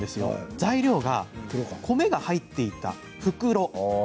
材料が米が入っていた袋。